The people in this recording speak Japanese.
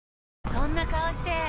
そんな顔して！